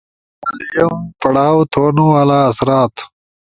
والئیم، پڑھاؤ تھونُو والا آثرات